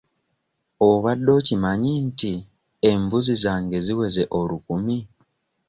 Obadde okimanyi nti embuzi zange ziweze olukumi?